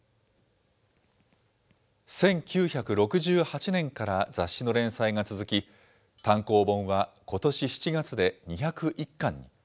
１９６８年から雑誌の連載が続き、単行本はことし７月で２０１巻に。